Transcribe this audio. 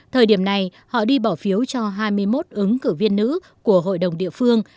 thời điểm này họ đi bỏ phiếu cho hai mươi một ứng cử viên nữ của hội đồng địa phương